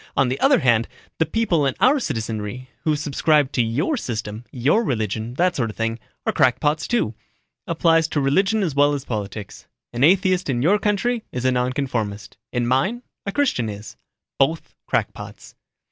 On the other hand, the people in our citizenry who subscribe to your system, your religion, that sort of thing, are crackpots, too. Applies to religion as well as politics. An atheist in your country is a nonconformist in mine, a Christian is. Both crackpots."